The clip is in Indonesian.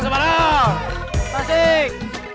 semarang semarang semarang